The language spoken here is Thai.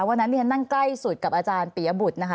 วันนั้นที่ฉันนั่งใกล้สุดกับอาจารย์ปียบุตรนะคะ